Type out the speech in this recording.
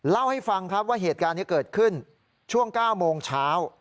เล่าให้ฟังครับว่าเหตุการณ์นี้เกิดขึ้นช่วง๙โมงเช้า